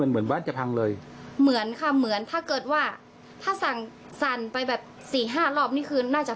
มันสร้างความตกใจให้กับชาวบ้านรอบ๖๐ปีเลยนะคะ